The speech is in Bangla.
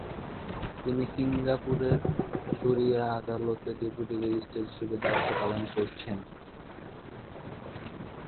তিনি সিঙ্গাপুরের শরিয়া আদালতে ডেপুটি রেজিস্টার হিসেবে দায়িত্ব পালন করেছেন।